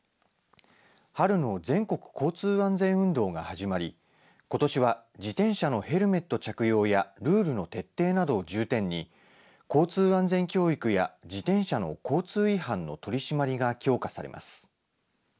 春の全国交通安全運動が始まりことしは自転車のヘルメット着用やルールの徹底などを重点に交通安全教育や自転車の交通違反の取締りが強化されます。